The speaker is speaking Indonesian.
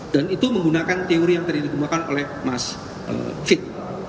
dan itu menggunakan teori yang tadi digunakan oleh mas fit